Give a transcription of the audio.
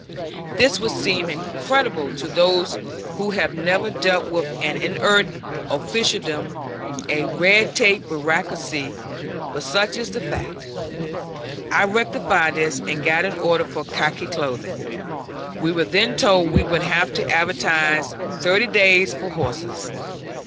This would seem incredible to those who have never dealt with an inert officialdom, a red tape bureaucracy, but such is the fact. I rectified this and got an order for khaki clothing. We were then told we would have to advertise thirty days for horses.